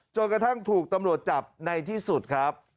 จนกระทั่งถูกตำรวจจับในที่สุดครับ